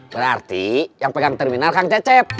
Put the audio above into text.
berarti yang pegang terminal kang cecep